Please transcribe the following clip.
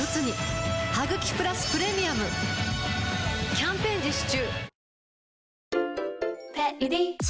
キャンペーン実施中